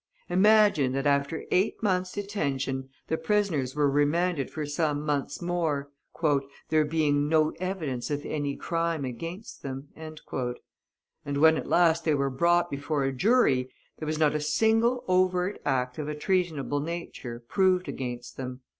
Imagine, that after eight months' detention, the prisoners were remanded for some months more, "there being no evidence of any crime against them!" And when at last they were brought before a jury, there was not a single overt act of a treasonable nature proved against them.